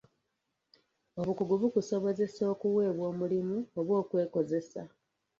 Obukugu bukusobozesa okuweebwa omulimu oba okwekozesa.